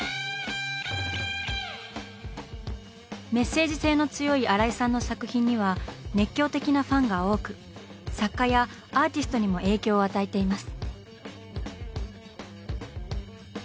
メッセージ性の強い新井さんの作品には熱狂的なファンが多く作家やアーティストにも影響を与えています。